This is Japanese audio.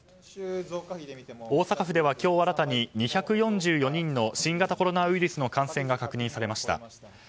大阪府では今日新たに２４４人の新型コロナウイルスの感染が確認されました。